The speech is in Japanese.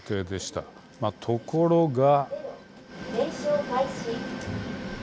ところが。